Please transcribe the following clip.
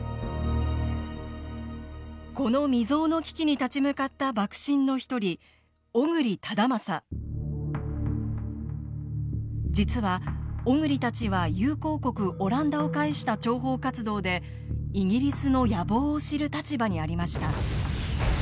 この未曽有の危機に立ち向かった幕臣の一人実は小栗たちは友好国オランダを介した諜報活動でイギリスの野望を知る立場にありました。